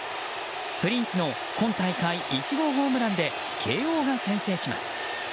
プリンスの今大会１号ホームランで慶應が先制します。